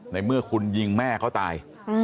ในเมื่อคุณยิงแม่เขาตาย